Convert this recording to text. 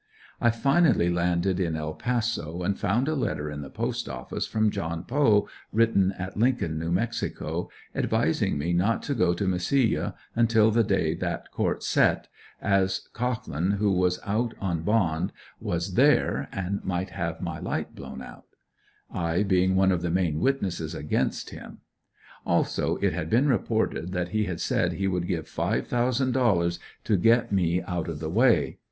I finally landed in El Paso and found a letter in the Post Office from John Poe, written at Lincoln, New Mexico, advising me not to go to Mesilla until the day that Court set, as Cohglin, who was out on bond, was there and might have my light blown out, I being one of the main witnesses against him. Also, it had been reported that he had said he would give five thousand dollars to get me out of the way.